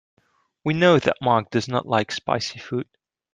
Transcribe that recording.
We know that Mark does not like spicy food.